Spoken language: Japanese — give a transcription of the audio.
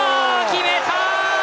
決めた！